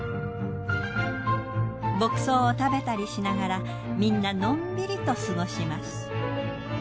牧草を食べたりしながらみんなのんびりと過ごします。